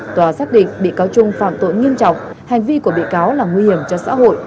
tòa xác định bị cáo trung phạm tội nghiêm trọng hành vi của bị cáo là nguy hiểm cho xã hội